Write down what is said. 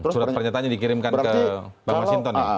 surat pernyataannya dikirimkan ke bang masinton ya